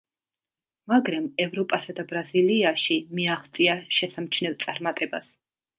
მაგრამ ევროპასა და ბრაზილიაში მიაღწია შესამჩნევ წარმატებას.